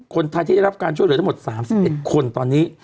คนที่ได้รับการช่วยเหลือทั้งหมดสามสิบเอ็ดคนตอนนี้